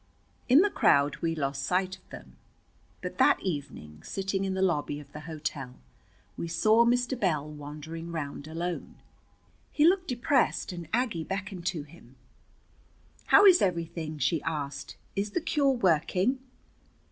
In the crowd we lost sight of them, but that evening, sitting in the lobby of the hotel, we saw Mr. Bell wandering round alone. He looked depressed, and Aggie beckoned to him. "How is everything?" she asked. "Is the cure working?"